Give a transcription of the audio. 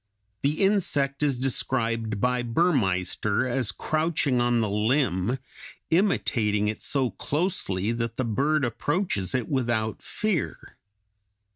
The insect is described by Burmeister as crouching on the limb, imitating it so closely that the bird approaches it without fear.